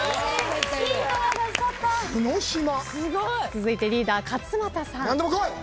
続いてリーダー勝俣さん。何でも来い！